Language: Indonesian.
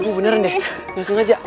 ibu beneran deh gak sengaja